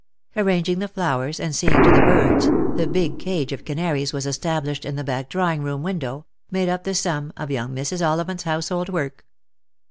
Arranging the flowers and seeing to the birds — the big cage of canaries was established in the back drawing room window — made up the sum of young Mrs. Ollivant's household work.